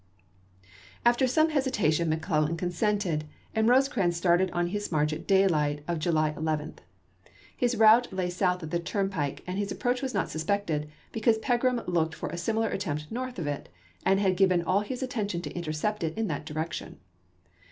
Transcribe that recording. After some hesitation McClellan consented, and E osecrans started on his march at daylight of July isei. 11. His route lay south of the turnpike ; and his approach was not suspected, because Pegram looked for a similar attempt north of it, and had given all his attention to intercept it in that direc tion.